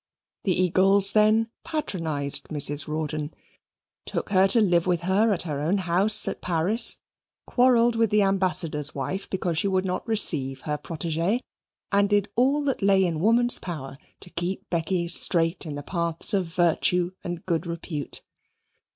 The Eagles then patronized Mrs. Rawdon, took her to live with her at her own house at Paris, quarrelled with the ambassador's wife because she would not receive her protegee, and did all that lay in woman's power to keep Becky straight in the paths of virtue and good repute.